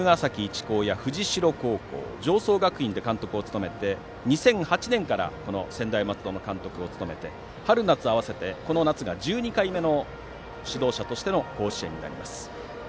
竜ヶ崎一高や藤代常総学院で監督を務めて２００８年から専大松戸の監督を務め春夏合わせてこの夏が１２回目の指導者としての甲子園です。